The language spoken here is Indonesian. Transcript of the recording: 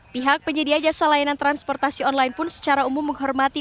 pihak penyedia jasa layanan transportasi online pun secara umum menghormati